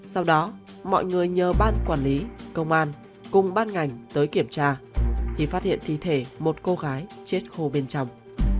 sau đó mọi người nhờ ban quản lý công an cùng ban ngành tới kiểm tra thì phát hiện thi thể một cô gái chết khô bên trong